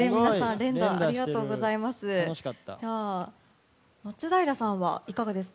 連打ありがとうございます。